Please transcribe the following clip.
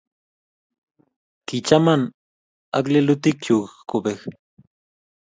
Kichaman ak lelutikchu kobek